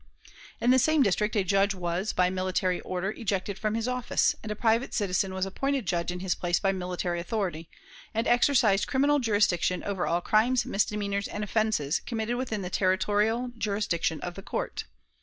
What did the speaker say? In the same district a Judge was, by military order, ejected from his office, and a private citizen was appointed Judge in his place by military authority, and exercised criminal jurisdiction "over all crimes, misdemeanors, and offenses" committed within the territorial jurisdiction of the court.